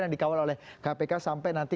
dan dikawal oleh kpk sampai nanti